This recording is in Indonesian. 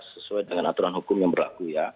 sesuai dengan aturan hukum yang berlaku ya